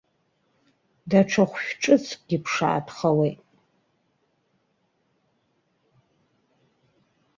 Даҽа хәшәы ҿыцгьы ԥшаатәхауеит.